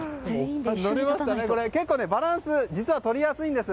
結構バランスが実はとりやすいんです。